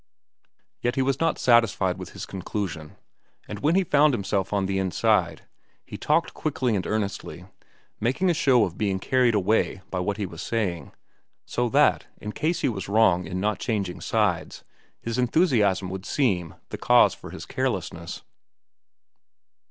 Yet he was not satisfied with his conclusion, and when he found himself on the inside, he talked quickly and earnestly, making a show of being carried away by what he was saying, so that, in case he was wrong in not changing sides, his enthusiasm would seem the cause for his carelessness.